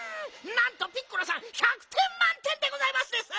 なんとピッコラさん１００てんまんてんでございますです！